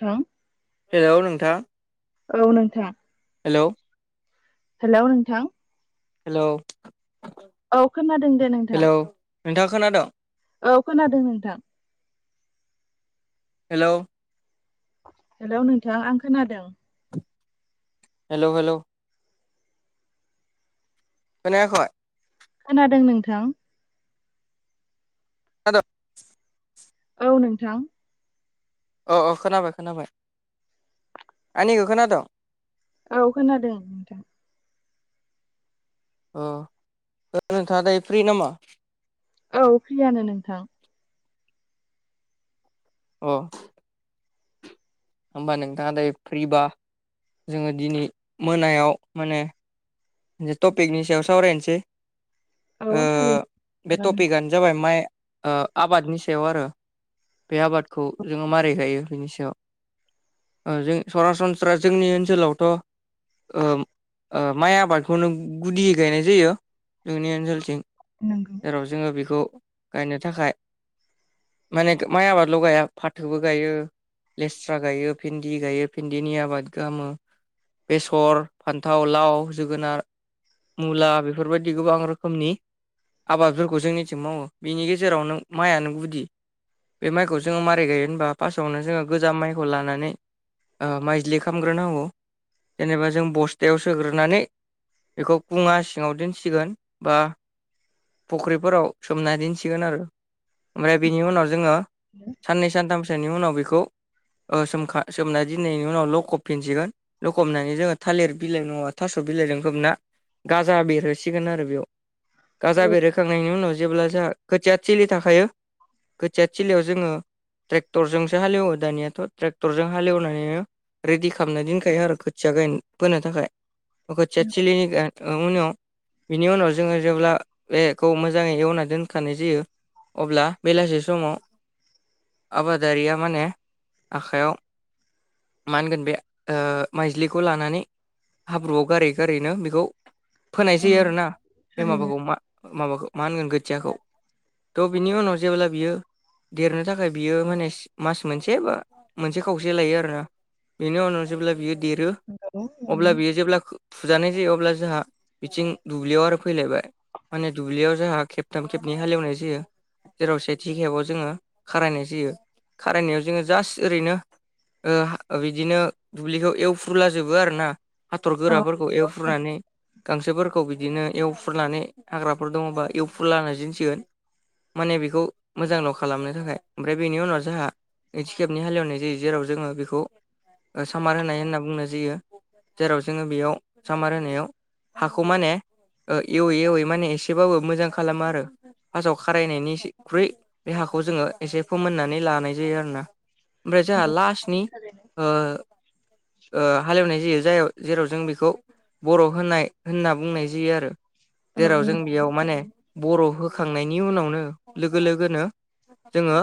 थां हेल' नोंथां औ नोंथां हेल' हेल' नोंथां हेलौ औ खोनादों दे नोंथां। हेलौ नोंथाङा खोनादोंं। औ खोनादों नोंथां। हेल' हेलौ नोंथां आं खोनादों। हेल' हेल' खोनायाखै? खोनादों नोंथां [unintelligible] औ नोंथां अ अ खोनाबाय खोनाबाय आंनिखौ खोनादोंं? औ खोनादों नोंथां। अ नोंथाङा दायो फ्रि नामा? औ फ्रियानो नोंथां। अ होमबा नोंथाङा दायो फ्रिबा जोङो दिनै मोनायाव माने टपिकनि सायाव सावरायनोसै औ थारैनो बे जागोन नोंथां टपिकआनो जाबाय माइ ओ आबादनि सायाव आरो। बे आबादखौ जोङो मारै गायो बिनि सायाव। जों सरासनस्रा जोंनि ओनसोलावथ' ओ माइ आबाद बेखौनो गुदि गायनाय जायो जोंनि ओनसोलथिं नांगौ जेराव जोङो बेखौ गायनो थाखाय माने माइ आबादल' गाया फाथोबो गायो। लेस्रा गायो भिन्दि गायो भिन्दिनि आबाद गाहामो बेसर फान्थाव लाव जोगोनार मुला बेफोरबायदि गोबां रोखोमनि आबादफोरखौ जोंनिथिं मावो बिनि गेजेराव नों माइआनो गुदि। बे माइखौ जोङो मारै गायो होनबा फास्स्टआवनो जोङो गोजाम माइखौ लानानै माइज्लि खालामग्रोनांगौ जेनेबा जों बस्थायाव सोग्रोनानै बेखौ खुङा सिङाव दोनसिगोन बा फुख्रिफोराव सोमना दोनसिगोन आरो। ओमफ्राय बिनि उनाव जोङो साननै सानथामसोनि उनाव बेखौ सोम सोमना दिनैनि उनाव ल'खफिनसिगोन। लखबनानै जोङो थालिर बिलाइ नङा थास' बिलाइजों खोबना गाजा बेरहोसिगोन आरो बेयाव गाजा औ बेरहोखांनायनि उनाव जेब्ला जोंहा खोथिया थोलि थाखायो खोथिया थोलियाव जोङो ट्रेक्टरजोंसो हालेवो दानियाथ' ट्रेक्टरजों हाले एवनानैनो रेडि खालामना दोनखायो आरो खोथिया गायबोनो थाखाय खोथिया थिलिनि ओ उनाव बिनि उनाव जोङो जेब्ला बेखौ मोजाङै एवना दोनखानाय जायो अब्ला बेलासे समाव आबादारिया माने आखायाव मा होनगोन बे माइज्लिखौ लानानै हाब्रुआव गारै गारैनो बेखौ फोनाय औ जायो आरोना बे थारैनो माबाखौ मा माबाखौ मा होनगोन खोथियाखौ थ' बिनि उनाव जेब्ला बियो देरनो थाखाय बियो माने मास मोनसे बा मोनसे खावसे लायो आरोना बेनि उनाव जेब्ला बियो देरो औ अब्ला बियो जेब्ला खो फुजानाय जायो अब्ला जोंहा बिथिं दुब्लियाव आरो फैलायबाय माने दुब्लियाव जोंहा खेबथाम खेबनै हाले एवनाय जायो जेराव सेथि खेबाव जोङो खारायनाय जायो खारायनायाव जोङो जास्ट ओरैनो बिदिनो दुब्लिखौ एवफ्रुला जोबो आरोना हाथर औ गोराफोर औ एवफ्रुनानै गांसोफोरखौ बिदिनो एवफ्रुनानै हाग्राफोर दङबा एवफ्रुलाना दोनना जिन्सिगोन माने बेखौ मोजांल' खालामनो थाखाय ओमफ्राय बेनि उनाव जोंहा नैथि खेबनि हाले एवनाय जायो जेराव जोङो बेखौ सामार होनाय होनना बुंनाय जायो जेराव जोङो बेयाव सामार होनायाव हाखौ माने एवै एवै माने एसेबाबो मोजां खालामो आरो फार्स्टआव खारायनायनिख्रुइ बे हाखौ जोङो एसे फोमोननानै लानाय जायो आरोोना ओमफ्राय जोंहा लासनि थारैनो हाले एवनाय जायो जाय जेराव जों बेखौ बर' होनाय होनना बुंनाय जायो आरो औ जेराव जों नंगौ बेयाव माने बर' होखांनायनि उनावनो लोगो लोगोनो जोङो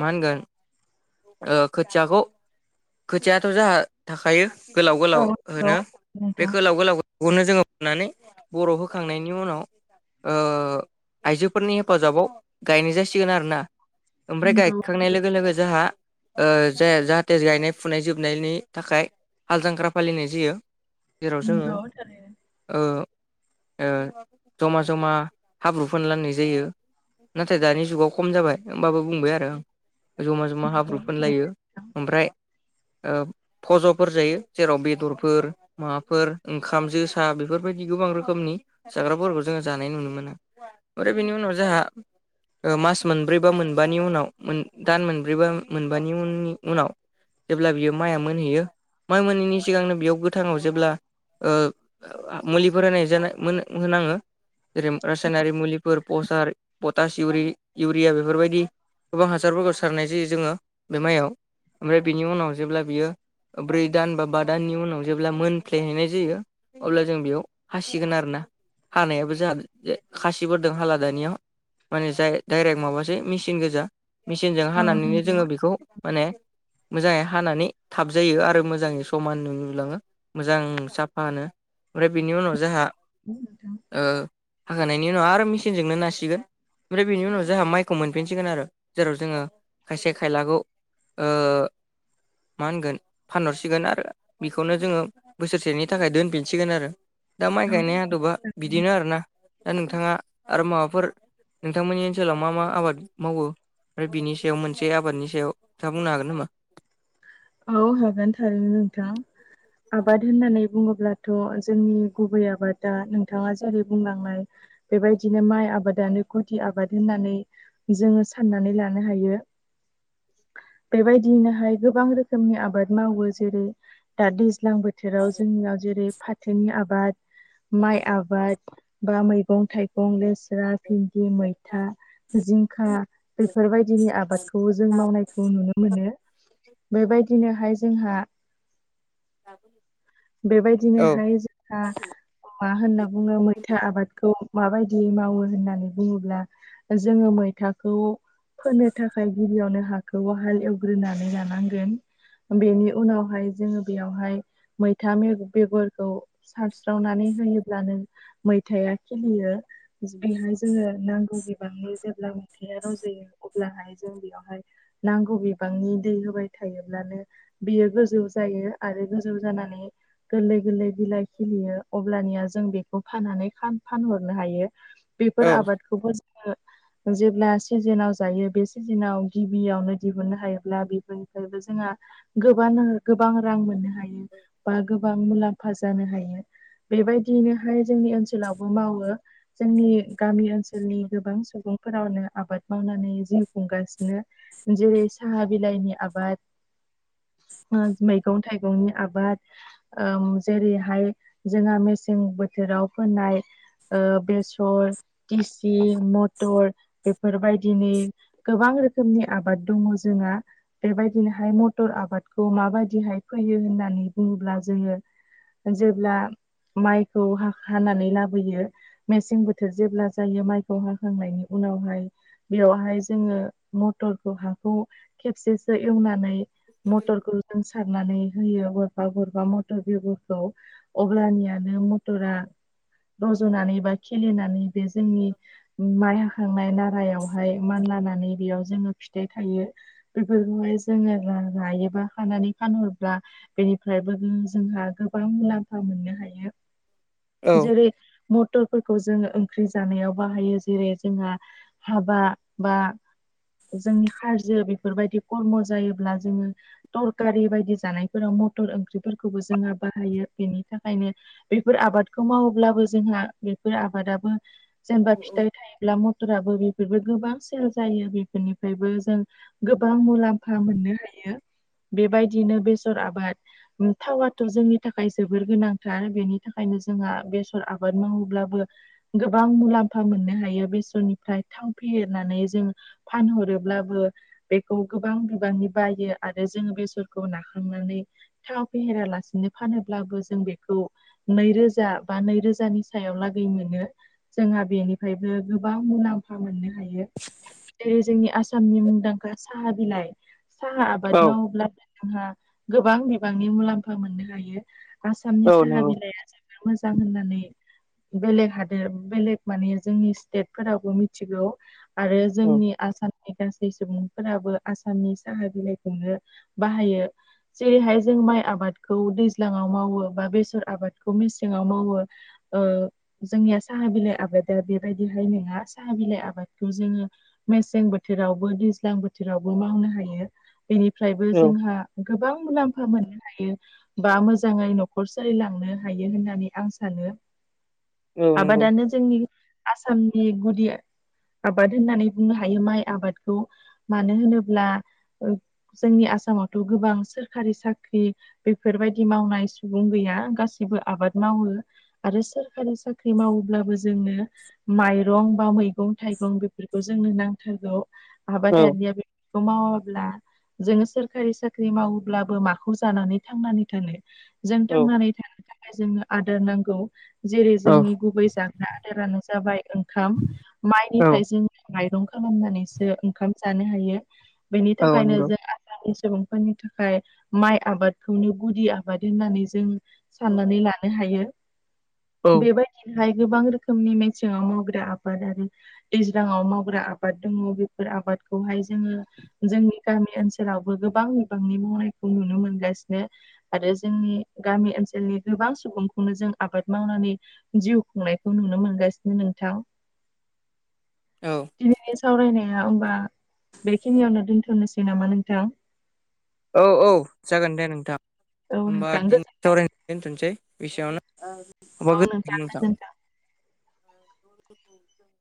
मा होनगोन ओ खोथियाखौ खोथियााथ' जाहा थाखायो गोलाव औ गोलाव नंगौ होनो बे नोंथां गोलाव गोलाव बेखौनो जोङो मोननानै बर' होखांनायनि उनाव आइजोफोरनि हेफाजाबाव गायनाय जासिगोन आरोोना ओमफ्राय नंगौ गायखा खांनाय लोगो लोगो जोंहा ज जाहाथे गायनाय फुनाय जोबनायनि थाखाय हाल जांख्रा फालिनाय जायो जेराव जों नंगौ थारैनो ओ ओ जमा जमा हाब्रु फोनलानाय जायो नाथाय दानि जुगाव खम जाबाय होमबाबो बुंबाय आरो आं जमा जमा नंगौ हाब्रु फोनलायो थारैनो ओमफ्राय फज'फोर जायो जेराव बेदरफोर माबाफोर ओंखाम जोसा बेफोरबायदि गोबां रोखोमनि जाग्राफोरखौ जोङो जानाय नुनो मोना ओमफ्राय बिनि उनाव जोंहा मास मोनब्रैबा मोनबानि उनाव दान मोनब्रैबा मोनबानि उननि उनाव जेब्ला बियो माइआ मोनहैयो माइ मोनैनि सिगांनो बेयाव गो थाङाव जेब्ला मुलि फरायनाय जो मोनाङो जेरै रासायनारि मुलिफोर पसार पटास इउरि इउरिया बेफोरबायदि गोबां हासारफोरखौ सारनाय जायो जोङो बे मायाव ओमफ्राय बेनि उनाव जेब्ला बियो ब्रै दान बा बा दाननि उनाव जेब्ला मोनफ्लेहैनाय जायो अब्ला जों बेयाव हासिगोन आरोना हानायाबो खासिफोरदो हाला दानिया माने जाय डाइरेक्ट माबासै मेचिन गोजा मेचिनजों औ हानानैनो नंगौ जोङो बेखौ माने मोजाङै हानानै थाबजायो आरो मोजाङै समान नुलाङो मोजां साफा नो ओमफ्राय बिनि उनाव जोंहा नोंथां हाखानायनि उनाव आरो मेसिनजोंनो नासिगोन ओमफ्राय बेनि उनाव जोंहा माइखौ मोनफिनसिगोन आरो जेराव जोङो खायसे खायलाखौ मा होनगोन फानहरसिगोन आरो बेखौनो जोङो बोसोरसेनि थाखाय दोनफिनसिगोन आरो दा माइ औ गायनाय आदबा थारैनो बिदिनो आरोना दा नोंथाङा आरो माबाफोर नोंथांमोननि ओनसोलाव मा मा आबाद मावो ओमफ्राय बिनि सायाव मोनसे आबादनि सायाव खोथा बुंनो हागोन नामा औ हागोन थारैनो नोंथां आबाद होननानै बुङोब्लाथ' जोंनि गुबै आबादा नोंथाङा जेरै बुंलांनाय बेबायदिनो माइ आबादानो गुदि आबाद होननानै जोङो साननानै लानो हायो बेबायदिनोहाय गोबां रोखोम रोखोमनि आबाद मावो जेरै दा दैज्लां बोथोराव जोंनियाव जेरै फाथोनि आबाद माइ आबाद बा मैगं थाइगं लेस्रा भिन्दि मैथा जिंखा बेफोरबायदिनि आबादखौ जों मावनायखौ नुनो मोनो बेबायदिनोहाय जोंहा [unintelligible] औ बेबायदिनोहाय जोंहा मा होनना बुंङो मैथा आबाद खौ माबायदियै मावो होननानै बुंङोब्ला जोंङो मैथाखौ फोनो थाखाय गिबियावनो हाखौ हाल एवग्रोनानै लानांगो बेनि उनावहाय जोङो बेयावहाय मैथा बेगरखौ सारस्रावनानै होयोब्लानो मैथाया खिलियो बेहाय जोङो नांगौ बिबांनि जेब्ला अन्थाया रज'यो अब्लाहाय जों बेयावहाय नांगौ बिबांनि दै होबाय थायोब्लानो बियो गोजौ जायो आरो गोजौ जानानै गोरलै गोरलै बिलाइ खिलियो अब्लानिया जों बेखौ फाननानै फानहरनो हायो औ बेफोर आबादखौबो जोङो जेब्ला सिजोनाव जायो बे सिजोनाव गिबियावनो दिहुननो हायोब्ला बेफोर फ्रायबो जोंहा गोबां गोबां रां मोननो हायो बा गोबां मुलाम्फा जानो हायो बेबायदियैनोहाय जोंनि ओनसोलावबो मावो जोंनि गामि ओनसोलनि गोबां सुबुंफोरावनो आबाद मावनानै जिउ खुंगासिनो जेरै साहा बिलाइनि आबाद मैगं थाइगंनि आबाद जेरैहाय जोंहा मेसें बोथोराव फोनाय बेसर टिसि मथर बेफोरबायदिनि गोबां रोखोमनि आबाद दङो जोंहा बेबायदिनोहाय मटर आबादखौ माबायदिहाय फोयो होननानै बुंङोब्ला जोयो जेब्ला माइखौ हानानै लाबोयो मेसें बोथोर जेब्ला जायो माइखौ हाखांनायनि उनावहाय बेयावहाय जोंङो मटरखौ हाखौ खेबसे खौ एवनानै मटरखौ जों सारनानै होयो गरफा गरफा मटर बेगरखौ अब्लानियानो मटरा रज'नानै बा खिलिनानै बे जोंनि माया नाय नारायावहाय मान लानानै बेयाव जोंङो फिथाइ थायो बेफोरखौहाय जोंङो लायोबा खानानै फानहरब्ला बेनिफ्रायबो जोंहा गोबां मुलाम्फा मोननो हायो औ जेरै म टरफोरखौ जोंङो ओंख्रि जानायाव बाहायो जेरै जोंहा हाबा बा जोंनि हारजो बेफोरबायदि खर्म' जायोब्ला जोंङो थरकारि बायदि जानायफोराव मथर ओंख्रिफोरखौबो जोंहा बाहायो बेनि थाखायनो बेफोर आबादखौ मावोब्लाबो जोंहा बेफोर आबादाबो जेनेबा फिथाइ थायोब्ला म थराबो बेफोरबो गोबां सेल जायो बेफोरनिफ्रायबो जों गो बां मुलाम्फा मोननो हायो बेबायदिनो बेसर आबाद थावाथ' जोंनि थाखाय जोबोर गोनांथार बेनि थाखायनो जोंहा बेसर आबाद मावो ब्लाबो गोबां मुलाम्फा मोननो हायो बेसरनि फ्राय थाव फेहेरनानै जों फानहरोब्लाबो बेखौ गोबां बिबांनि बायो आरो जोंङो बेसरखौ नाखांनानै थाव फेहेरालासिनो फानोब्लाबो जों बेखौ नैरोजा बा नै रोजानि सायाव लागै मोनो जोंहा बेनिफ्रायबो गोबां मुलाम्फा मोननो हायो जेरै जोंनि आसामनि मुंदांखा साहा बिलाइ साहा आबाद औ मावोब्ला जोंहा गोबां बिबांनि मुलाम्फा मोननो हायो आसामनि औ साहा नंगौ बिलाइआ जों मोजां होननानै बेलेग हादोर बेलेग माने जोंनि स्टेटफोरावबो मिथिगौ आरो औ जोंनि आसामनि गासै सुबुं फोराबो आसामनि साहा बिलाइखौनो बाहायो। जेरैहाय जों माइ आबादखौ दैज्लाङाव मावो बा बेसर आबादखौ मेसेङाव मावो। ओ जोंनिया साहा बिलाइ आबादा बेबायदिहाय नङा साहा बिलाइ आबादखौ जोङो मेसें बोथोरावबो दैज्लां बोथोरावबो मावनो हायो बेनिफ्रायबो जोंहा गोबां मुलाम्फा मोननो हायो बा मोजाङै न'खर सोलिलांनो हायो होननानै आं सानो औ नंगौ आबादानो जोंनि आसामनि गुदि आबाद होननानै बुंनो हायो माइ आबादखौ मानो होनोब्ला जोंनि आसामावथ' गोबां सोरखारि साख्रि बेफोरबायदि मावनाय सुबुं गैया गासिबो आबाद मावो आरो सोरखारि साख्रि मावोब्लाबो जोंनो माइरं बा मैगं थाइगं बेफोरखौ जोंनो नांथारगौ औ आबादारिया बे बेखौ मावाब्ला जोङो सोरखारि साख्रि मावोब्लाबो माखौ जानानै थांनानै थानो। जों थांनानै थानो थाखाय जोंनो आदार नांगौ जेरै जोंनि गुबै जाग्रा आदारानो जाबाय ओंखाम औ माइनिफ्राय जों माइरं खालामनानैसो ओंखाम जानो हायो बेनि औ थाखायनो नंगौ जों सुबुंफोरनि थाखाय माइ आबादखौनो गुदि आबाद होननानै जों साननानै लानो हायो। औ बेबायदिनोहाय गोबां रोखोमनि मेसेङाव मावग्रा आबाद आरो दैज्लाङाव मावग्रा आबाद दङ बेफोर आबादखौहाय जोङो जोंनि गामि ओनसोलावबो गोबां बिबांनि मावनायखौ नुनो मोनगासिनो आरो जोंनि गामि ओनसोलनि गोबां सुबुंखौनो जों आबाद मावनानै जिउ खुंनायखौ नुनो मोनगासिनो नोंथां औ दिनैनि सावरायनाया होमबा बेखिनियावनो दोनथ'नोसै नामा नोंथां औ औ जागोन दे नोंथां औ होमबा नोंथां दि गोजोननाय सावरायनायखौ दोनथ'नोसै औ नोंथां एसेयावनो [unintelligible] गोजोनथों।